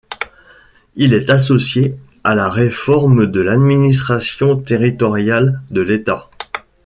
Il est associé à la réforme de l’administration territoriale de l’État.